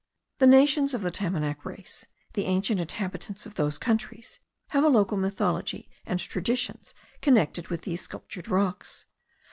The nations of the Tamanac race, the ancient inhabitants of those countries, have a local mythology, and traditions connected with these sculptured rocks.